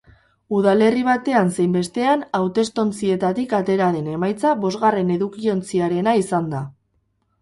Udalerri batean zein bestean hautestontzietatik atera den emaitza bosgarren edukiontziarena izan da.